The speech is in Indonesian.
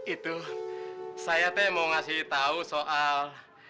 itu saya mau ngasih tahu soal